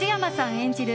演じる